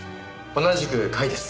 同じく甲斐です。